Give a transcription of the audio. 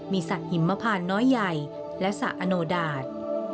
มีสระหิมพานน้อยใหญ่และสระอโนดาต